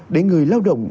để người lao động